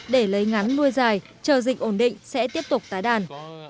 để lấy ngắn nuôi dài chờ dịch ổn định sẽ tiếp tục tái đàn